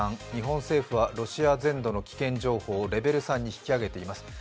日本政府はロシア全土の危険度をレベル３に引き上げています。